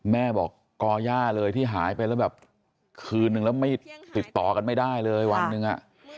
แม่บอกก่อย่าเลยที่หายไปแล้วแบบคืนนึงแล้วไม่ติดต่อกันไม่ได้เลยวันหนึ่งอ่ะ